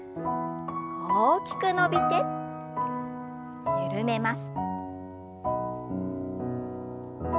大きく伸びて緩めます。